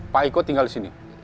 pak iko tinggal disini